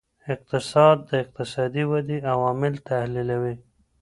اقتصاد د اقتصادي ودې عوامل تحلیلوي.